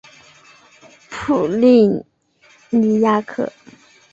普利尼亚克。